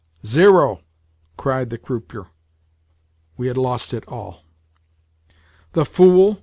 "Zero!" cried the croupier. We had lost it all! "The fool!"